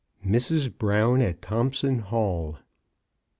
MRS. BROWN AT THOMPSON HALL.